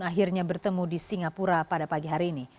akhirnya bertemu di singapura pada pagi hari ini